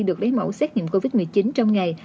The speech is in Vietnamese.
được lấy mẫu xét nghiệm covid một mươi chín trong ngày